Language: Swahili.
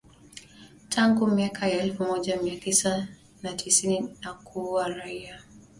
tangu miaka ya elfu moja mia tisa na tisini na kuua raia wengi